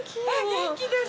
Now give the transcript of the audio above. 元気です。